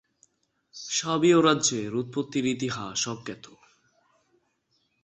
সাবীয় রাজ্যের উৎপত্তির ইতিহাস অজ্ঞাত।